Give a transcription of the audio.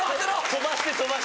飛ばして飛ばして。